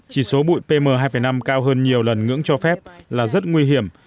chỉ số bụi pm hai năm cao hơn nhiều lần ngưỡng cho phép là rất nguy hiểm